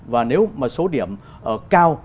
và nếu mà số điểm cao